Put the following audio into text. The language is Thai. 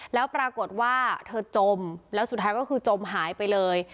แล้วปรากฏว่าเธอจมแล้วสุดท้ายก็คือจมหายไปเลย